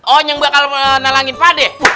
oh yang bakal menelanin pade